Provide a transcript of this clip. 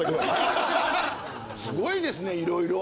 すごいですねいろいろ。